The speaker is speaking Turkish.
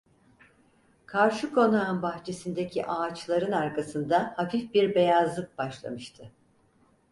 Karşı konağın bahçesindeki ağaçların arkasında hafif bir beyazlık başlamıştı.